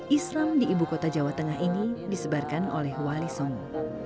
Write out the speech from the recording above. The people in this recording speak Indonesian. islam di ibu kota jawa tengah ini disebarkan oleh wali songo